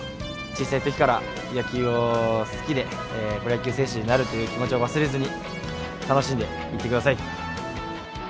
小さいときから野球を好きで、プロ野球選手になるいう気持ちを忘れずに楽しんでいってください。